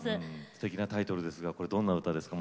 すてきなタイトルですがこれどんな歌ですか？